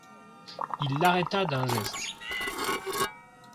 Il l'arrêta d'un geste.